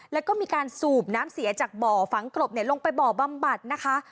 แล้วก็มีการสูบน้ำเสียจากบ่อฝังกรบลงไปบ่อบำบัดนะคะ